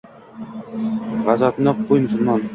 G’azotni qo’y, musulmon —